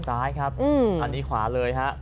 ซ้ายครับอันนี้ขวาเลยฮะ